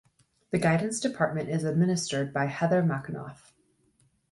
The Guidance Department is administered by Heather Machanoff.